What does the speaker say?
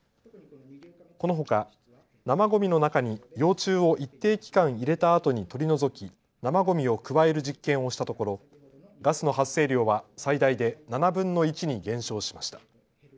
このほか、生ごみの中に幼虫を一定期間入れたあとに取り除き生ごみを加える実験をしたところガスの発生量は最大で７分の１に減少しました。